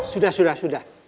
sudah sudah sudah